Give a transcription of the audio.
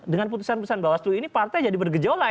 dengan putusan putusan bawaslu ini partai jadi bergejolak